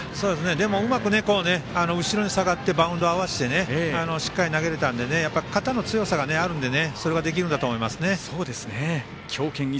でもうまく後ろに下がってバウンド合わせてしっかり投げれたので肩の強さがあるのでそれができるんだと思います。